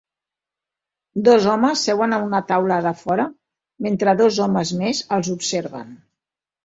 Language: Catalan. Dos homes seuen a una taula de fora mentre dos homes més els observen.